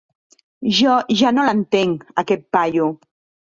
Jo ja no l'entenc, aquest paio.